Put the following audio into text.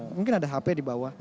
mungkin ada hp dibawah